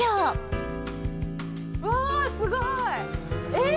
えっ！